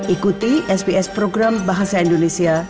ikuti sps program bahasa indonesia